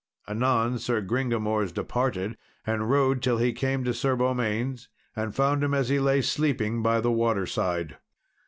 Anon Sir Gringamors departed, and rode till he came to Sir Beaumains, and found him as he lay sleeping by the water side.